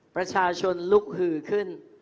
ประชาชนลุกหือขึ้น